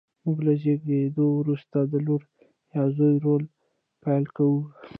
موږ له زېږېدو وروسته د لور یا زوی رول پیل کوو.